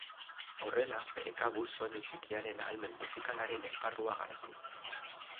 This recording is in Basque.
Horrela, bere kabuz soinu txikiaren ahalmen musikalaren esparrua garatu du.